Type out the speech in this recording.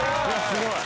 すごい。